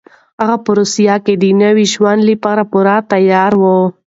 هغه په روسيه کې د نوي ژوند لپاره پوره تيار و.